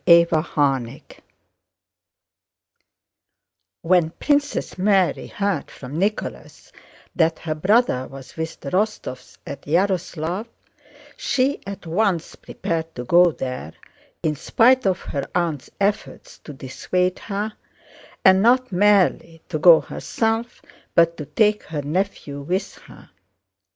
CHAPTER XIV When Princess Mary heard from Nicholas that her brother was with the Rostóvs at Yaroslávl she at once prepared to go there, in spite of her aunt's efforts to dissuade her—and not merely to go herself but to take her nephew with her.